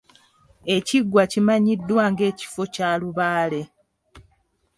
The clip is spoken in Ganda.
Ekiggwa kimanyiddwa ng'ekifo kya lubaale.